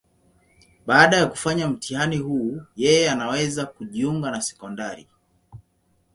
Baada ya kufanya mtihani huu, yeye anaweza kujiunga na sekondari.